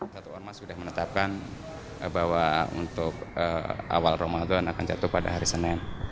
satu ormas sudah menetapkan bahwa untuk awal ramadan akan jatuh pada hari senin